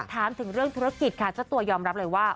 ถามถึงเรื่องธุรกิจค่ะเจ้าตัวยอมรับเลยว่า